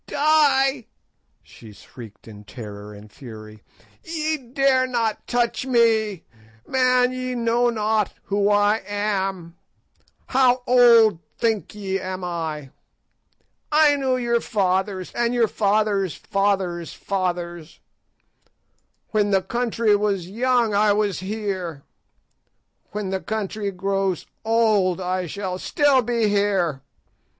"Die!" she shrieked in terror and fury; "ye dare not touch me—man, ye know not who I am. How old think ye am I? I knew your fathers, and your fathers' fathers' fathers. When the country was young I was here; when the country grows old I shall still be here.